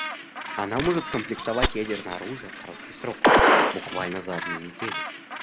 Она может скомплектовать ядерное оружие в короткий срок, буквально за одну неделю.